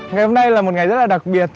ngày hôm nay là một ngày rất là đặc biệt